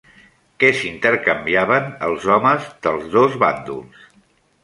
Què s'intercanviaven els homes dels dos bàndols?